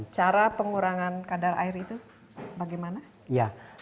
cara pengurangan kadar air itu bagaimana